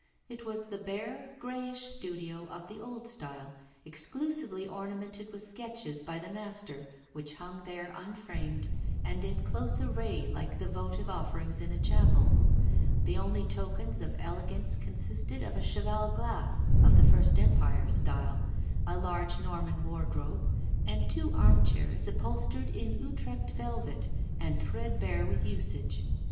It was the bare, greyish studio of the old style, exclusively ornamented with sketches by the master, which hung there unframed, and in close array like the votive offerings in a chapel. The only tokens of elegance consisted of a cheval glass, of the First Empire style, a large Norman wardrobe, and two arm chairs upholstered in Utrecht velvet, and threadbare with usage.